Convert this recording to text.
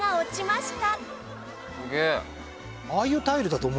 すげえ。